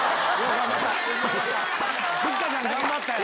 ふっかちゃん頑張ったよ。